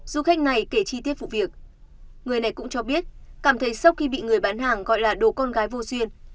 du khách này kể chi tiết vụ việc người này cũng cho biết cảm thấy sau khi bị người bán hàng gọi là đồ con gái vô duyên